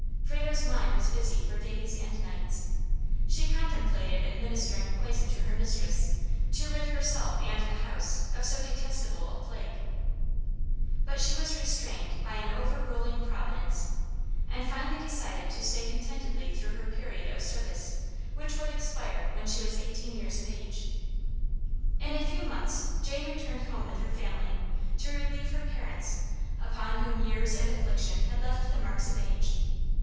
Frado's mind was busy for days and nights. She contemplated administering poison to her mistress, to rid herself and the house of so detestable a plague. But she was restrained by an overruling Providence; and finally decided to stay contentedly through her period of service, which would expire when she was eighteen years of age. In a few months Jane returned home with her family, to relieve her parents, upon whom years and affliction had left the marks of age.